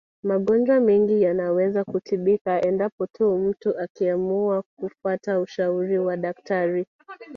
Magonjwa mengi yanaweza kutibika endapo tu mtu akiamua kufata ushauri wa daktari